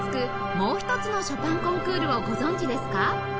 もう１つのショパンコンクールをご存じですか？